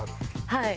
はい。